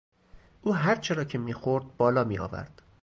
او هرچه را که میخورد بالا میآورد.